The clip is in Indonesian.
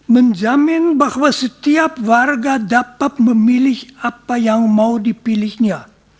menjamin bahwa setiap warga dapat memilih apa yang mau dipilihnya